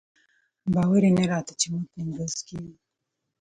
باور یې نه راته چې موږ نیمروز کې یو.